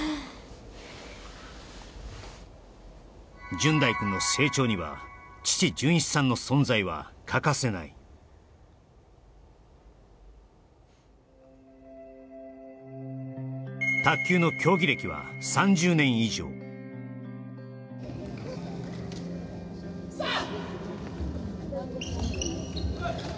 純大くんの成長には父純一さんの存在は欠かせない卓球の競技歴は３０年以上サア！